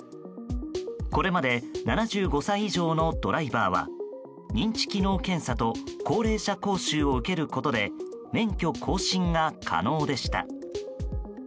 これまで７５歳以上のドライバーは認知機能検査と高齢者講習を受けることで免許更新が可能でした。